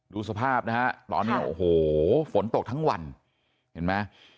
ดูสภาพนะฮะตอนนี้โอ้โหฝนตกทั้งวันเห็นไหม